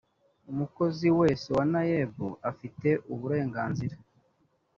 umukozi wese wa naeb afite uburenganzira